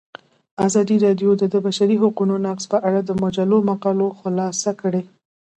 ازادي راډیو د د بشري حقونو نقض په اړه د مجلو مقالو خلاصه کړې.